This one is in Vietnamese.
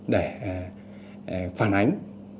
để phản ánh